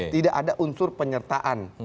tidak ada unsur penyertaan